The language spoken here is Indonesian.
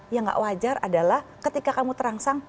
yang gak wajar adalah ketika kamu terangsang